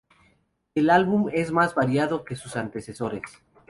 El álbum es más variado que sus antecesores.